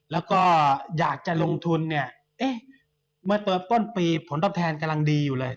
แล้วก็อยากจะลงทุนเนี่ยเอ๊ะเมื่อเปิดต้นปีผลตอบแทนกำลังดีอยู่เลย